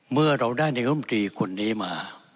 เมื่อเราได้ในรมดุลกรีย์คนนี้มา